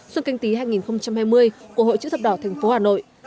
xuân canh tý hai nghìn hai mươi của hội chữ thập đỏ tp hà nội